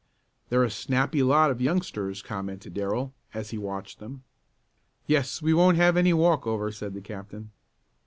"They're a snappy lot of youngsters," commented Darrell, as he watched them. "Yes, we won't have any walk over," said the captain.